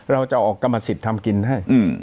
เราจะออกกรรมสิทธิ์ทำกินให้